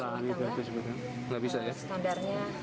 tidak bisa ya